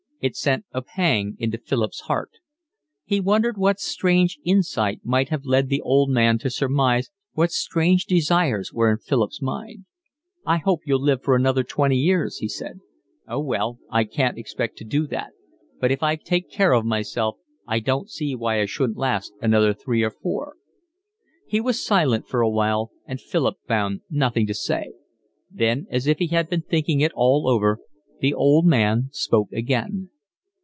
It sent a pang into Philip's heart. He wondered what strange insight might have led the old man to surmise what strange desires were in Philip's mind. "I hope you'll live for another twenty years," he said. "Oh, well, I can't expect to do that, but if I take care of myself I don't see why I shouldn't last another three or four." He was silent for a while, and Philip found nothing to say. Then, as if he had been thinking it all over, the old man spoke again.